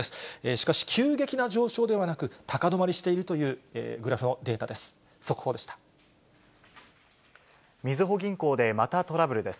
しかし急激な上昇ではなく、高止まりしているというグラフのデータです。